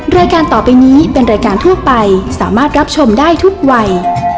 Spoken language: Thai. รายการต่อไปนี้เป็นรายการทั่วไปสามารถรับชมได้ทุกวัย